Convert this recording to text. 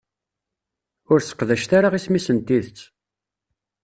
Ur seqdacet ara isem-is n tidet.